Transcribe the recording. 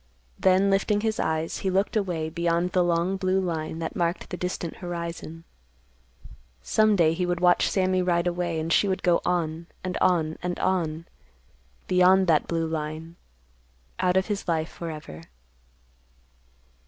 Then, lifting his eyes, he looked away beyond the long blue line that marked the distant horizon. Some day he would watch Sammy ride away and she would go on, and on, and on, beyond that blue line, put of his life forever.